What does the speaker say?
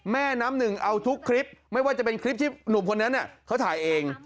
แม่น้ำหนึ่งเอาทุกคลิปไม่ว่าจะเป็นคลิปที่หนุ่มคนนั้นเขาถ่ายเอง